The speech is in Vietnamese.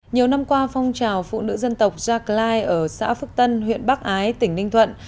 nhiều năm qua phong trào phụ nữ dân tộc gia lai ở xã phước tân huyện bắc ái tỉnh ninh thuận